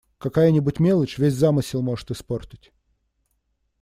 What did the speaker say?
Какая-нибудь мелочь, весь замысел может испортить!